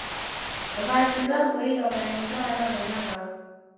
W'avi waboilwagha ni ndoa ra w'ana w'aw'o.